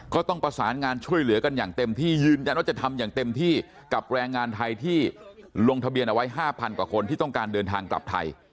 ก็ต้องประสานงานช่วยเหลือกันอย่างเต็มที่ยืนยันว่าจะทำอย่างเต็มที่กับแรงงานไทยที่ลงทะเบียนเอาไว้๕๐๐กว่าคนที่ต้องการเดินทางกลับไทย